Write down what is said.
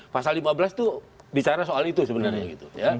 pasal lima belas itu bicara soal itu sebenarnya gitu